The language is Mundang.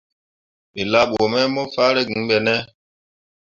We laa bə mai mo faara gŋ be ne?